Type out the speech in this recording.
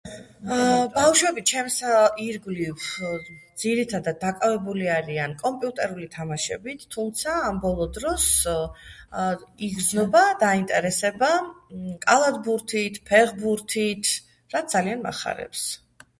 ბავშვები ჩემს ირგვლივძირითადად დაკავებული არიან კომპიუტერული თამაშებით თუმცა ამ ბოლო დროს იგრძნობა დაინტერესება კალადბურთით ფეხბურთით რაც ძალიან მახარებს